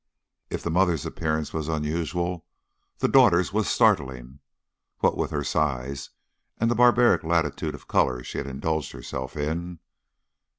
If the mother's appearance was unusual, the daughter's was startling, what with her size and the barbaric latitude of color she had indulged herself in.